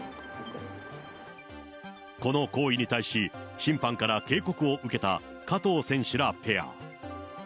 この行為に対し、審判から警告を受けた加藤選手らペア。